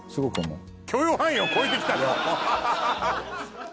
許容範囲を超えてきたぞハハハ！